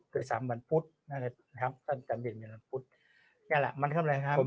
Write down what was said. เตรียม๓วันฟุตนั่นแหละครับ